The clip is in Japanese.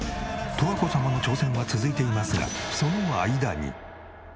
十和子様の挑戦は続いていますがその間に。